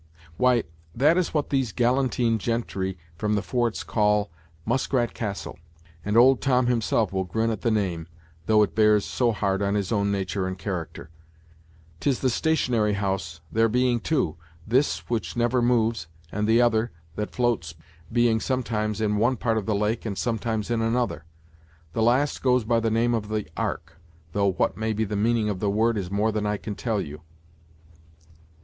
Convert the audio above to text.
"Why, that is what these galantine gentry from the forts call Muskrat Castle; and old Tom himself will grin at the name, though it bears so hard on his own natur' and character. 'Tis the stationary house, there being two; this, which never moves, and the other, that floats, being sometimes in one part of the lake and sometimes in another. The last goes by the name of the ark, though what may be the meaning of the word is more than I can tell you."